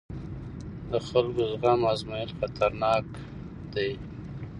د خلکو زغم ازمېیل خطرناک دی